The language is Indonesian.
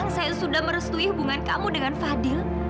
saya sudah merestui hubungan kamu dengan fadil